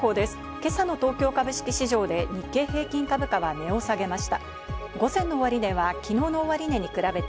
今朝の東京株式市場で日経平均株価は値を下げました。